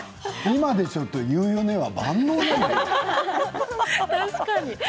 今でしょと、言うよね！は万能なのよ。